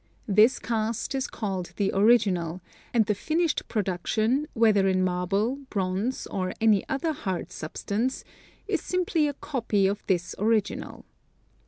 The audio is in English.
This cast is called the original, and the finished production, whether in marble, bronze, or any other hard substance, is simply a copy of this original.